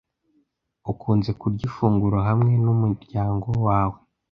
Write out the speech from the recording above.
Ukunze kurya ifunguro hamwe numuryango wawe?